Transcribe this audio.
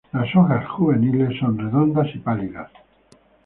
Las hojas juveniles son redondas y pálidos.